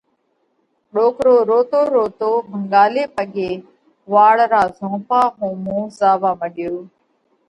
ڏوڪرو روتو روتو ڀنڳالي پڳي واڙ را زهونپا ۿومو زاوا مڏيو۔